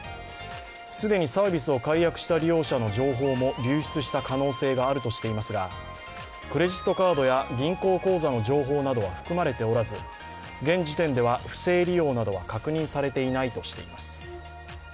既にサービスを解約した利用者の情報も流出した可能性があるとしていますがクレジットカードや銀行口座の情報などは含まれておらず現時点では不正利用などは確認されていないとしています。